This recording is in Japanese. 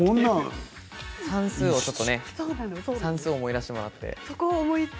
算数を思い出してもらって。